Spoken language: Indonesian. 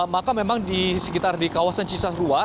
maka memang di sekitar di kawasan cisarua